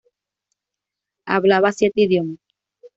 Hablaba siete idiomas.